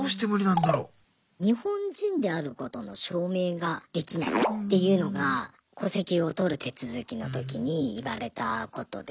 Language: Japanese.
日本人であることの証明ができないっていうのが戸籍をとる手続きの時に言われたことで。